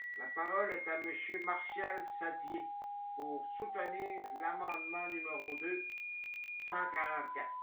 La parole est à Monsieur Martial Saddier, pour soutenir l’amendement numéro deux cent quarante-quatre.